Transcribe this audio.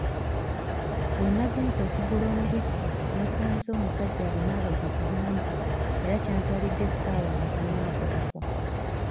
We nagenze okugula omubisi nasanze omusajja alina abaguzi bangi era kyantwalidde essaawa nga tannankolako.